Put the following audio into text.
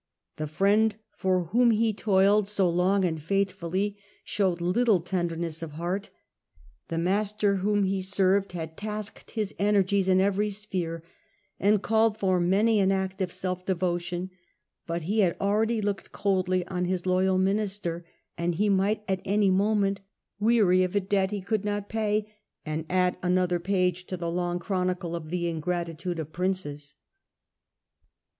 The friend for whom he toiled so long and faithfully showed little tenderness of heart; the master whom he served had tasked his energies in every sphere, and called for many an act of self devotion, but he had already looked coldly on his loyal minister, and he might at any moment weary of a debt he could not pay, and add another page to the long chronicle of the ingratitude of princes.